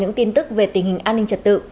những tin tức về tình hình an ninh trật tự